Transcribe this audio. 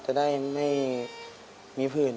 จะได้ไม่มีผื่น